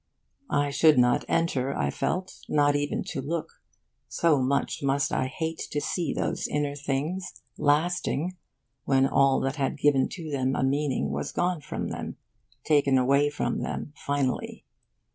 I should not enter, I felt, not even look, so much must I hate to see those inner things lasting when all that had given to them a meaning was gone from them, taken away from them, finally.